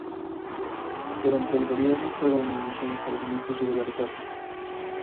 Durante su gobierno fueron anunciadas algunas irregularidades.